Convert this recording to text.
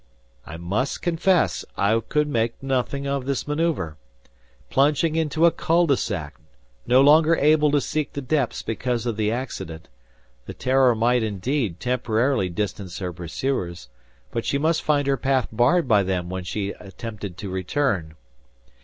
I must confess, I could make nothing of this maneuver. Plunging into a cul de sac, no longer able to seek the depths because of the accident, the "Terror" might, indeed, temporarily distance her pursuers; but she must find her path barred by them when she attempted to return.